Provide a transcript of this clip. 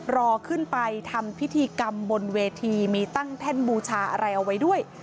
รอขึ้นไปทำพิธีกรรมบนเวทีมีตั้งแท่นบูชาอะไรเอาไว้ด้วย